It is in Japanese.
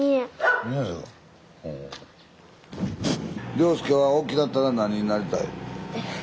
亮輔は大きなったら何になりたい？